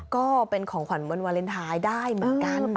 ก็เป็นของขวัญวันวาเลนไทยได้เหมือนกัน